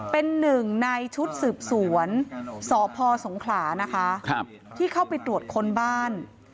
เป็นหนึ่งในชุดสืบสวนสพสงขลานะคะที่เข้าไปตรวจค้นบ้าน